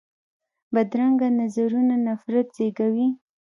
بدرنګه نظرونه نفرت زېږوي